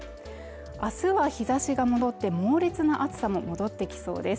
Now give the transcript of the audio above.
明日は日差しが戻って猛烈な暑さも戻ってきそうです